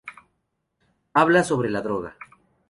Habla sobre la droga.